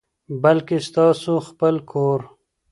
بلکي ستاسو خپل کور،